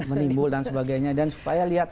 menimbul dan sebagainya dan supaya lihat